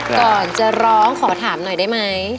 ก่อนจะร้องขอถามหน่อยได้ไหม